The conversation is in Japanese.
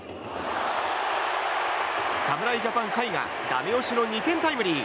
侍ジャパン、甲斐がだめ押しの２点タイムリー！